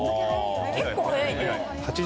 結構速いね。